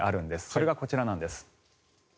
それがこちらなんです。